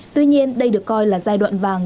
tuy nhiên đây được coi là giai đoạn vàng